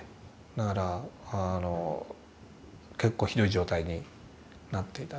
だから結構ひどい状態になっていたので。